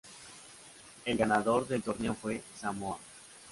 El ganador del torneo fue Samoa.